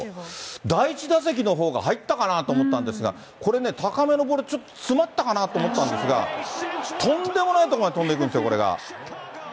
第１打席のほうが入ったかなと思ったんですが、これね、高めのボール、ちょっと詰まったかなと思ったんですが、とんでもない所まで飛んでいくんですよ、これが。